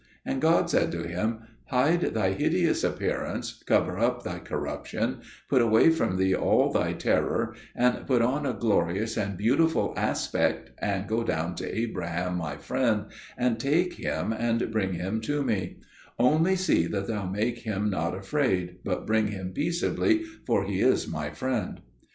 And God said to him, "Hide thy hideous appearance, cover up thy corruption, put away from thee all thy terror, and put on a glorious and beautiful aspect, and go down to Abraham My friend and take him and bring him to Me: only see that thou make him not afraid, but bring him peaceably, for he is My friend."